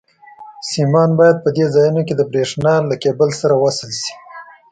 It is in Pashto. سیمان باید په دې ځایونو کې د برېښنا له کېبل سره وصل شي.